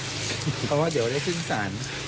เพราะว่าเดี๋ยวได้ขึ้นศาล